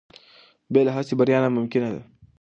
بې له هڅې بریا ناممکنه ده.